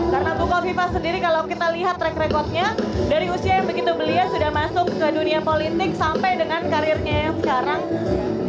karena ibu kofifa sendiri kalau kita lihat track recordnya dari usia yang begitu belia sudah masuk ke dunia politik sampai dengan karirnya sekarang